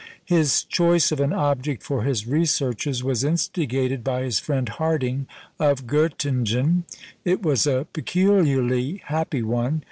His choice of an object for his researches was instigated by his friend Harding of Göttingen. It was a peculiarly happy one.